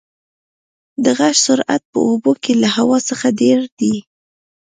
د غږ سرعت په اوبو کې له هوا څخه ډېر دی.